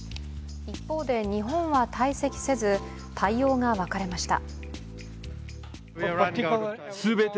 一方で、日本は退席せず対応が分かれました。